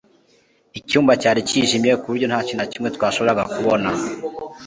icyumba cyari cyijimye ku buryo nta kintu na kimwe twashoboraga kubona